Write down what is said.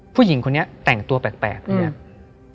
ผู้หญิงคนนี้แต่งตัวแปลกเนี่ย